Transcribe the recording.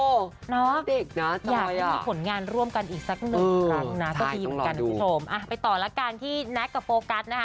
โอ้โหเด็กนะสวยอ่ะน้องอยากให้มีผลงานร่วมกันอีกสักหนึ่งครั้งนะก็ดีเหมือนกันคุณผู้ชมไปต่อละกันที่แน็กกับโฟกัสนะคะ